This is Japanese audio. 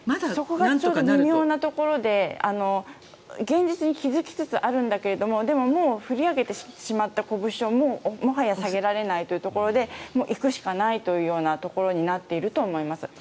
そこが微妙なところで現実に気付きつつあるんだけどでも、もう振り上げてしまったこぶしをもはや下げられないというところで行くしかないというようなところになっていると思います。